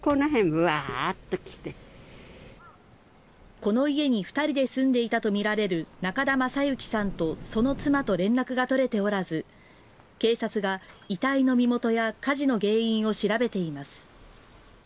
この家に２人で住んでいたとみられる中田雅之さんとその妻と連絡が取れておらず警察が遺体の身元や火事の原因を調べています。